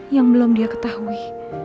yang belum dia ketahui